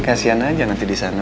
kasian aja nanti disana